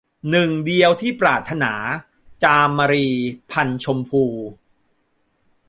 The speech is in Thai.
หนึ่งเดียวที่ปรารถนา - จามรี พรรณชมพู